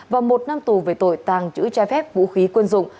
và một năm tù về tội tàng trữ trái phép vũ khí quân dụng